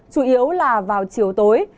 chủ yếu là vào chiều tối